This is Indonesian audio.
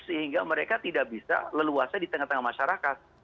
sehingga mereka tidak bisa leluasa di tengah tengah masyarakat